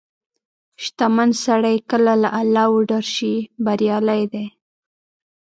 • شتمن سړی که له الله وډار شي، بریالی دی.